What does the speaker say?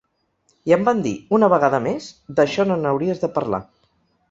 I em van dir, una vegada més: d’això no n’hauries de parlar.